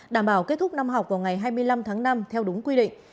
đảm bảo kết thúc năm học vào ngày hai mươi năm tháng năm theo đúng quy định